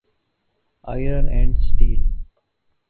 iron and steel